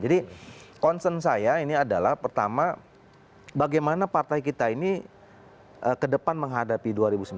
jadi concern saya ini adalah pertama bagaimana partai kita ini ke depan menghadapi dua ribu sembilan belas